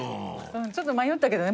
ちょっと迷ったけどね。